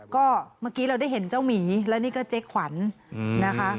ก็เมื่อกี้เราได้เห็นเจ้าหมีแล้วนี่ก็เจ๊ขวัญนะคะ